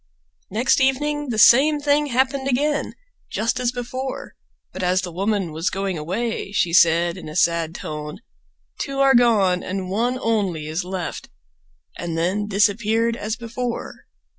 Next evening the same thing happened again, just as before, but as the woman was going away she said in a sad tone, "Two are gone and one only is left," and then disappeared as before.